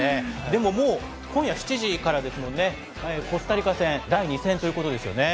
でももう今夜７時からですもんね、コスタリカ戦、第２戦ということですよね。